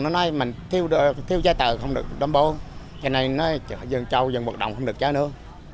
nó nói mình thiếu giá tờ không được đồng bộ cho nên dân châu dân hoạt động không được giá nữa